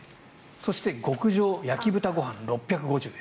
そして極上焼豚ごはん６５０円。